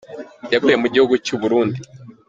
Yaguye mu gihugu cy’ u Burundi.